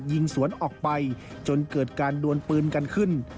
ยิงสวนออกไปจนเกิดการดวนปืนกันขึ้น